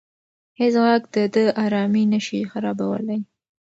هیڅ غږ د ده ارامي نه شي خرابولی.